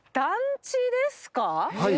はい。